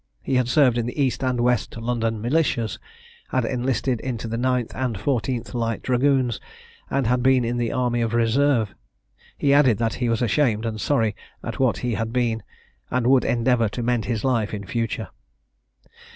He had served in the East and West London militias, had enlisted into the ninth and fourteenth light dragoons, and had been in the army of reserve. He added that he was ashamed and sorry at what he had been, and would endeavour to mend his life in future.